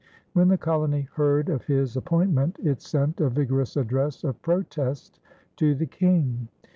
When the colony heard of his appointment, it sent a vigorous address of protest to the King.